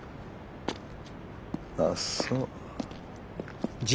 あっそう。